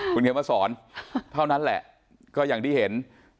คุณเขียนมาสอนเท่านั้นแหละก็อย่างที่เห็น